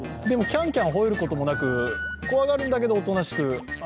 でもキャンキャンほえることもなく、怖がるんだけど、おとなしく。